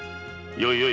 よいよい。